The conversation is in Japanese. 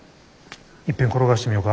いっぺん転がしてみよか。